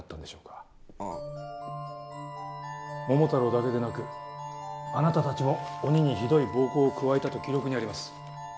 桃太郎だけでなくあなたたちも鬼にひどい暴行を加えたと記録にあります。